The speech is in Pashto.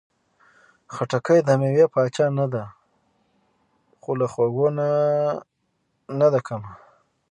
خټکی د مېوې پاچا نه ده، خو له خوږو نه ده کمه.